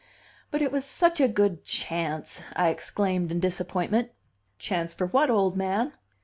"But it was such a good chance!" I exclaimed in disappointment "Chance for what, old man?"